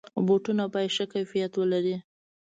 بوټونه باید ښه کیفیت ولري.